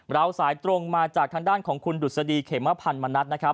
เราสายตรงมาจากทางด้านของคุณดุษฎีเขมพันธ์มณัฐนะครับ